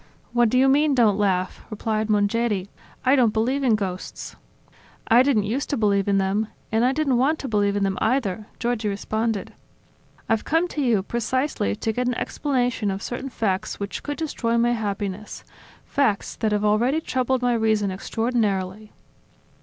"What do you mean don't laugh?" replied Mongeri. "I don't believe in ghosts." "I didn't used to believe in them ... and I didn't want to believe in them, either," Giorgi responded. "I've come to you precisely to get an explanation of certain facts which could destroy my happiness, facts that have already troubled my reason extraordinarily."